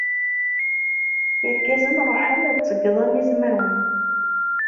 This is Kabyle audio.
Irgazen ruḥen ad d-ṣeyyden izmawen.